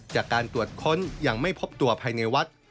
จากการตรวจค้นยังไม่พบตัวภายในวัด